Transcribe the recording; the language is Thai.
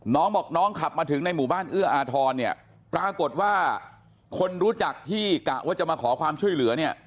น้องบอกน้องขับมาถึงในหมู่บ้านเอื้ออาทรเนี่ยปรากฏว่าคนรู้จักที่กะว่าจะมาขอความช่วยเหลือเนี่ย